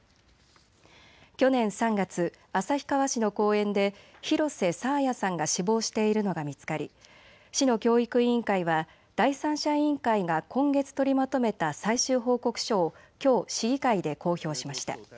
去年３月、旭川市の公園で廣瀬爽彩さんが死亡しているのが見つかり市の教育委員会は第三者委員会が今月、取りまとめた最終報告書をきょう市議会で公表しました。